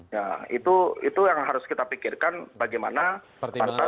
ya itu yang harus kita pikirkan bagi masyarakat